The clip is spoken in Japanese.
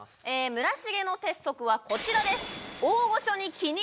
村重の鉄則はこちらです